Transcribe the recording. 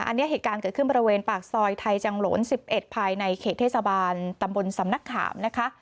อันนี้เหตุการณ์เกิดขึ้นบริเวณปากซอยไทยจังหลน๑๑ภายในเขตเทศบาลตำบลสำนักขามนะคะ